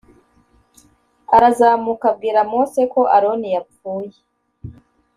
Arazamuka abwira mose ko aroni yapfuye